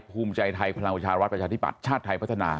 ภูมิใจไทยพลังประชารัฐประชาธิบัติชาติไทยพัฒนา